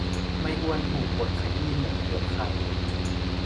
ไม้อ้วนถูกบดขยี้เหมือนเปลือกไข่